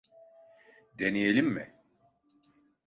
Deneyelim mi?